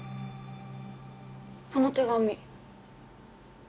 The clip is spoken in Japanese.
この手紙。